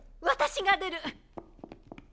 私が出る！